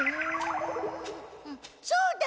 そうだ！